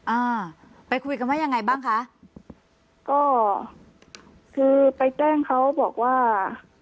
อ่าไปคุยกันว่ายังไงบ้างคะก็คือไปแจ้งเขาบอกว่า